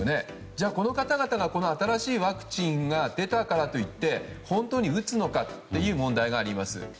じゃあ、この方々が新しいワクチンが出たからといって本当に打つのかという問題があります。